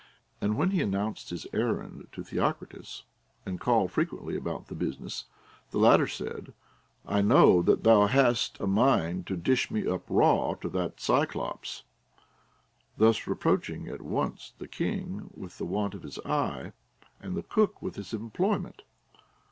And when he announced his errand to Theocritus, and called frequently about the busi ness, the latter said: I know that thou hast a mind to dish me u\) raw to that Cyclops ; thus reproaching at once the king with the want of his eye, and the cook with his em ployment.